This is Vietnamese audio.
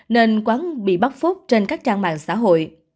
nên quán bị bắt phốt trên các trang mạng xã hội